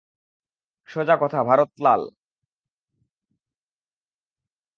সোজা কথা, ভারত লাল।